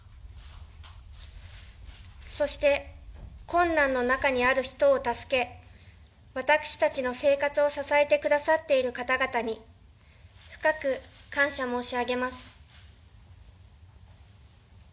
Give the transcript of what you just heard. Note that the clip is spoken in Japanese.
そして、困難の中にある人を助け私たちの生活を支えてくださっている方々に深く感謝申し上げます。